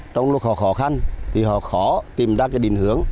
trong lúc họ khó khăn thì họ khó tìm ra cái định hướng